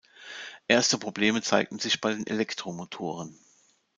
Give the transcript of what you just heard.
Erste Probleme zeigten sich bei den Elektromotoren.